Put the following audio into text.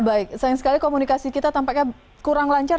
baik sayang sekali komunikasi kita tampaknya kurang lancar